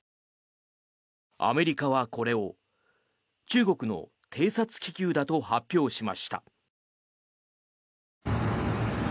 アメリカはこれを中国の偵察気球だと発表しました。